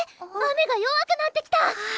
雨が弱くなってきた！